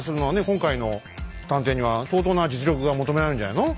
今回の探偵には相当な実力が求められるんじゃないの？